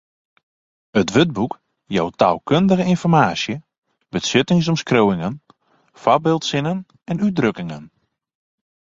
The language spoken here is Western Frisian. It wurdboek jout taalkundige ynformaasje, betsjuttingsomskriuwingen, foarbyldsinnen en útdrukkingen.